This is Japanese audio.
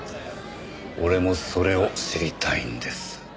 俺もそれを知りたいんです。